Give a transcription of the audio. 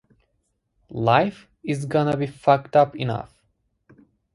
Life is gonna be fucked up enough.